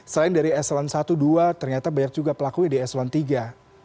selain dari eselon satu dua ternyata banyak juga pelakunya di eselon iii